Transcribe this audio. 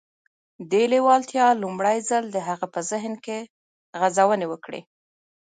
دې لېوالتیا لومړی ځل د هغه په ذهن کې غځونې وکړې.